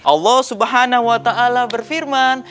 allah swt berfirman